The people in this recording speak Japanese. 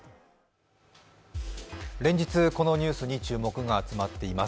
連日、このニュースに注目が集まっています。